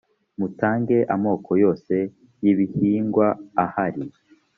mutange amoko yose y ‘ibihingwa ahari